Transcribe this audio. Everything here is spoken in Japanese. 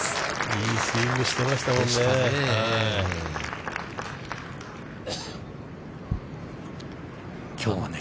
いいスイングしてましたもんね。